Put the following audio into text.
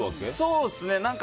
そうですね。